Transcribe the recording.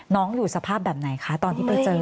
อยู่สภาพแบบไหนคะตอนที่ไปเจอ